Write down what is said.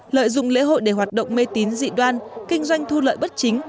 lợi dụng lễ hội để hoạt động mê tín dị đoan kinh doanh thu lợi bất chính